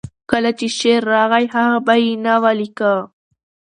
کله چې شعر راغی، هغه به یې نه ولیکه.